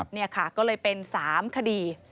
นี่ค่ะก็เลยเป็น๓คดี